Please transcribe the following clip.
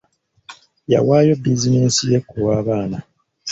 Yawaayo bizinensi ye ku lw'abaana.